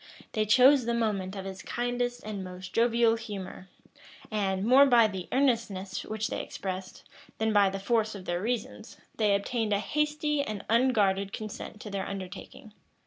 They chose the moment of his kindest and most jovial humor; and, more by the earnestness which they expressed, than by the force of their reasons, they obtained a hasty and unguarded consent to their undertaking.